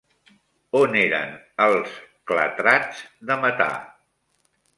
On eren els clatrats de metà?